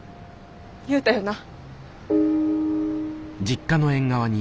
言うたよな？